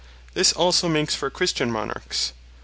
This also makes for Christian Monarchs.